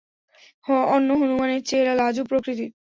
অন্য হনুমানের চেয়ে এরা লাজুক প্রকৃতির।